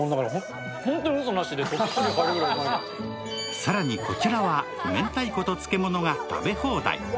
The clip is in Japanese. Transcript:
更にこちらは、めんたいこと漬物が食べ放題。